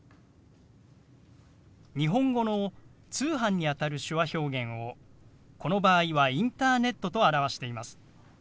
日本語の「通販」にあたる手話表現をこの場合は「インターネット」と表しています。